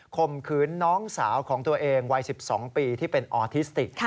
ข่มขืนน้องสาวของตัวเองวัย๑๒ปีที่เป็นออทิสติก